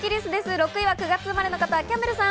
６位は９月生まれの方、キャンベルさん。